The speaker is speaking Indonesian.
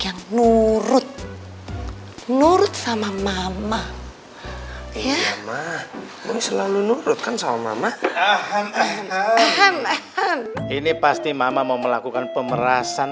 yang nurut nurut sama mama ya selalu nurutkan sama mama ini pasti mama mau melakukan pemerasan